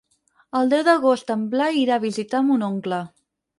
El deu d'agost en Blai irà a visitar mon oncle.